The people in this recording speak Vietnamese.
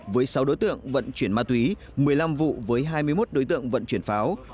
với sáu đối tượng vận chuyển ma túy một mươi năm vụ với hai mươi một đối tượng vận chuyển pháo